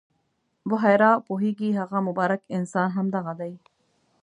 بحیرا پوهېږي هغه مبارک انسان همدغه دی.